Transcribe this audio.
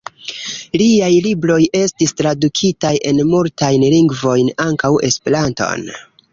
Liaj libroj estis tradukitaj en multajn lingvojn, ankaŭ Esperanton.